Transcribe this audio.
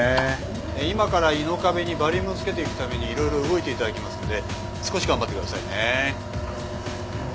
今から胃の壁にバリウムつけていくために色々動いていただきますんで少し頑張ってくださいね。